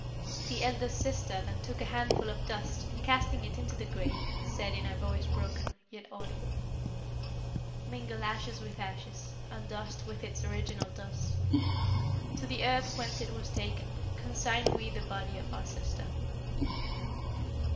The eldest sister then took a handful of dust and casting it into the grave, said in a voice broken, yet audible: "Mingle ashes with ashes, and dust with its original dust. To the earth whence it was taken, consign we the body of our sister."